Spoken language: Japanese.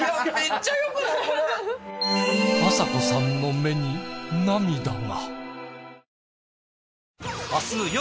あさこさんの目に涙が。